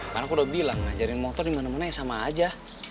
karena aku udah bilang ngajarin motor dimana mana ya sama aja